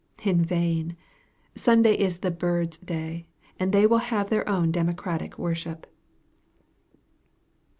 In vain! Sunday is the birds' day, and they will have their own democratic worship.